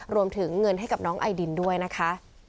รวมถึงเงินให้กับน้องไอดินด้วยนะคะ